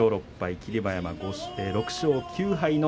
霧馬山は６勝９敗です。